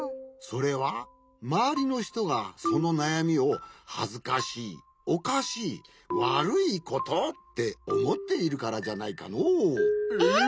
それはまわりのひとがそのなやみを「はずかしいおかしいわるいこと」っておもっているからじゃないかのう。